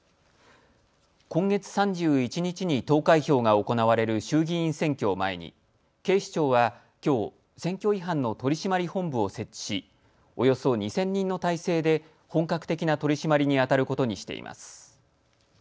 今月３１日に投開票が行われる衆議院選挙を前に警視庁はきょう、選挙違反の取締本部を設置しおよそ２０００人の態勢で本格的な取締りにあたることにしています。